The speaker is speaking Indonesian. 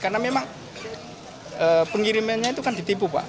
karena memang pengiriman itu kan ditipu pak